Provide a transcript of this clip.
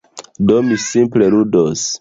Do, mi simple ludos.